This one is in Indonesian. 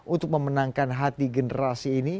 untuk memenangkan hati generasi ini